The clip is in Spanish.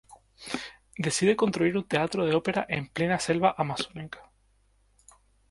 Decide construir un teatro de ópera en plena selva amazónica.